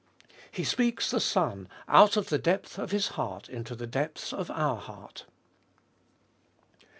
He speaks the Son out of the depth of His heart into the depths of our heart.